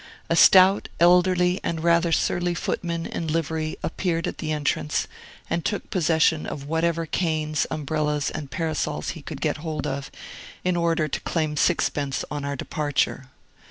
A stout, elderly, and rather surly footman in livery appeared at the entrance, and took possession of whatever canes, umbrellas, and parasols he could get hold of, in order to claim sixpence on our departure.